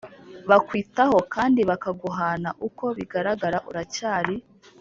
bakwitaho kandi bakaguhana Uko bigaragara uracyari